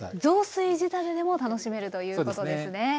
雑炊仕立てでも楽しめるということですね。